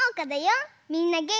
みんなげんき？